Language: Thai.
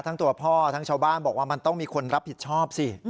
ทั้งตัวพ่อทั้งชาวบ้านบอกว่ามันต้องมีคนรับผิดชอบสิ